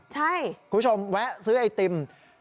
คุณผู้ชมแวะซื้อไอติม